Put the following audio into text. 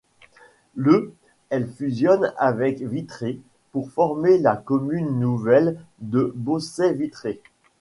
Le elle fusionne avec Vitré pour former la commune nouvelle de Beaussais-Vitré.